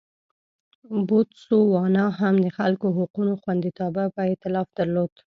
بوتسوانا هم د خلکو حقونو خوندیتابه اېتلاف درلود.